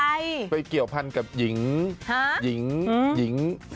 มันไปเกี่ยวพรรณกับหญิง